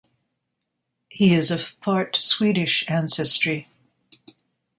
He is of part Swedish ancestry.